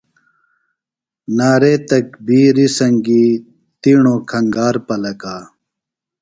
نعرے تکبیرِ سنگیۡ تیݨوۡ کھنگار پلکا۔